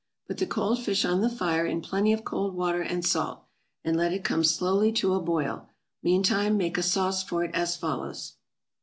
= Put the cold fish on the fire in plenty of cold water and salt, and let it come slowly to a boil; meantime make a sauce for it as follows.